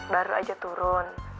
baru aja turun